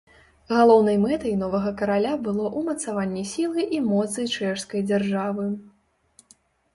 Галоўнай мэтай новага караля было ўмацаванне сілы і моцы чэшскай дзяржавы.